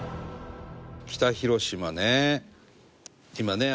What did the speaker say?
北広島ね。